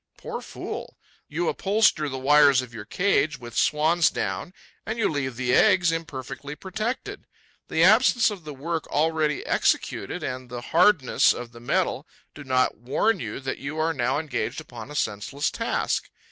Poor fool! You upholster the wires of your cage with swan's down and you leave the eggs imperfectly protected. The absence of the work already executed and the hardness of the metal do not warn you that you are now engaged upon a senseless task.